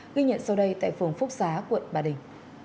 ghi nhận sau đây tại phường phúc xá quận ba đình